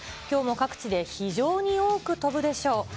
きょうも各地で非常に多く飛ぶでしょう。